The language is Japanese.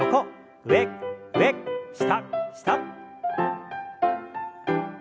上上下下。